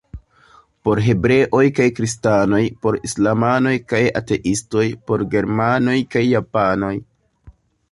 Por hebreoj kaj kristanoj, por islamanoj kaj ateistoj, por germanoj kaj japanoj.